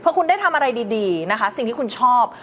คุณได้ทำอะไรดีนะคะสิ่งที่คุณชอบ